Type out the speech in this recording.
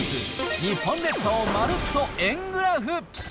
日本列島まるっと円グラフ。